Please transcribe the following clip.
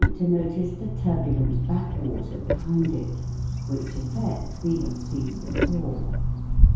to notice the turbulent backwater behind it, which effect we have seen before.